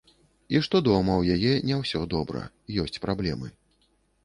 І што дома ў яе не ўсё добра, ёсць праблемы.